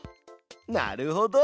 なるほど！